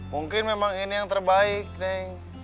mungkin memang ini yang terbaik nih